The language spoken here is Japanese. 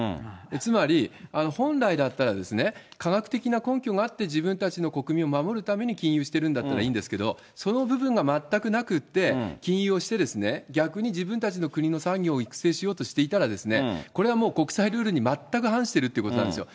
つまり、本来だったら科学的な根拠があって、自分たちの国民を守るために禁輸してるんだったらいいんですけど、その部分が全くなくて、禁輸をしてですね、逆に自分たちの国の産業を育成しようとしていたら、これはもう国際ルールに全く反してるということなんですよ。